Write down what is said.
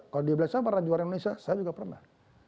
kalau dia bilang saya pernah juara indonesia saya juga pernah